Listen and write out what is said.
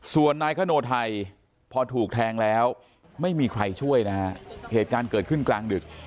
ส่วนนายคโนไทยพอถูกแทงแล้วไม่มีใครช่วยนะฮะเหตุการณ์เกิดขึ้นกลางดึก